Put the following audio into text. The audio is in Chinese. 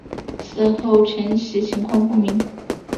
此后承袭情况不明。